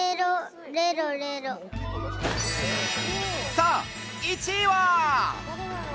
さあ、１位は？